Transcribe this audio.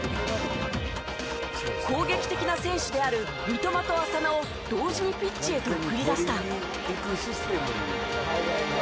攻撃的な選手である三笘と浅野を同時にピッチへと繰り出した。